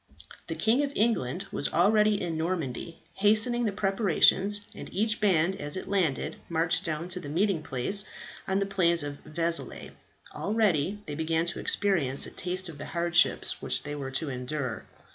The King of England was already in Normandy hastening the preparations, and each band, as it landed, marched down to the meeting place on the plains of Vezelay. Already they began to experience a taste of the hardships which they were to endure.